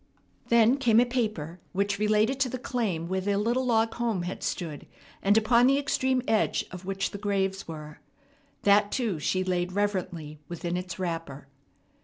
Then came a paper which related to the claim where their little log home had stood, and upon the extreme edge of which the graves were. That, too, she laid reverently within its wrapper.